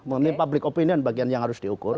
mengenai public opinion bagian yang harus diukur